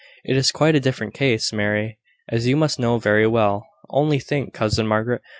It is quite a different case, Mary, as you must know very well. Only think, cousin Margaret!